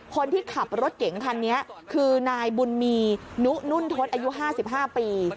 คนที่ขับรถเก๋งคันนี้คือนายบุญมีนุนุ่นทศอายุ๕๕ปี